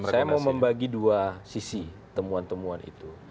saya mau membagi dua sisi temuan temuan itu